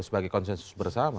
sebagai konsensus bersama